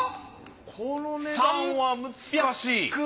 この値段は難しい。